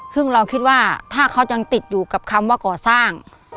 ซึ่งเราคิดว่าถ้าเขายังติดอยู่กับคำว่าก่อสร้าง